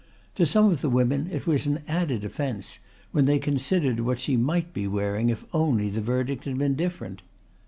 To some of the women it was an added offence when they considered what she might be wearing if only the verdict had been different.